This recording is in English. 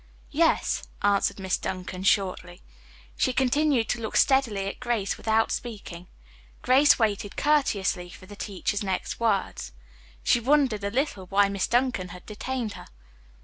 "Yes," answered Miss Duncan shortly. She continued to look steadily at Grace without speaking. Grace waited courteously for the teacher's next words. She wondered a little why Miss Duncan had detained her.